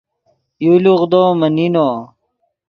یو لوغدو من نینو